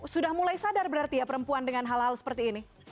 sudah mulai sadar berarti ya perempuan dengan hal hal seperti ini